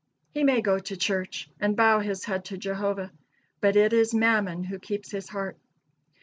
He may go to church and bow his head to Jehovah, but it is Mammon who keeps his heart.